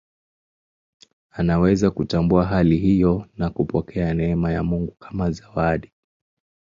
Anaweza kutambua hali hiyo na kupokea neema ya Mungu kama zawadi.